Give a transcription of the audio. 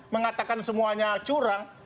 mengatakan semuanya curang